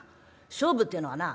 勝負っていうのはな